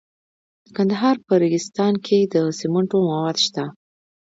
د کندهار په ریګستان کې د سمنټو مواد شته.